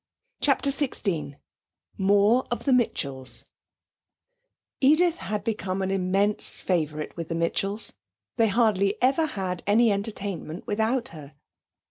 CHAPTER XVI More of the Mitchells Edith had become an immense favourite with the Mitchells. They hardly ever had any entertainment without her.